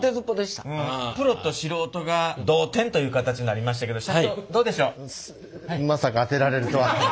プロと素人が同点という形になりましたけど社長どうでしょう？